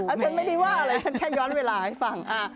ฉันไม่ได้ว่าอะไรฉันแค่ย้อนเวลาให้ฟัง